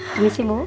terima kasih bu